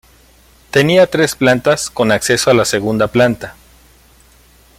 Tenía tres plantas, con acceso a la segunda planta.